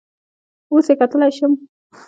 اوس یې کتلی شم؟